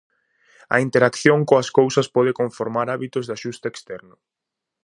A interacción coas cousas pode conformar hábitos de axuste externo.